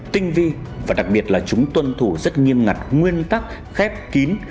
tinh vi và đặc biệt là chúng tuân thủ rất nghiêm ngặt nguyên tắc khép kín